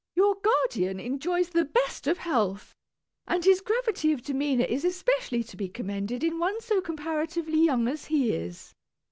] Your guardian enjoys the best of health, and his gravity of demeanour is especially to be commended in one so comparatively young as he is.